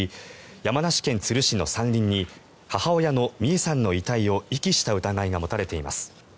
山梨県都留市の山林に母親の美恵さんの遺体を遺棄した疑いが持たれています。